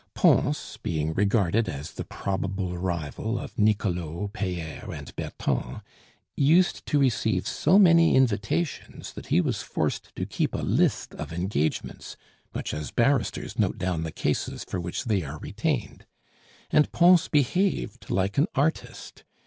Pons, being regarded as the probable rival of Nicolo, Paer, and Berton, used to receive so many invitations, that he was forced to keep a list of engagements, much as barristers note down the cases for which they are retained. And Pons behaved like an artist.